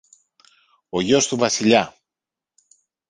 Ο γιος του Βασιλιά!